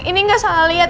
ini nggak salah lihat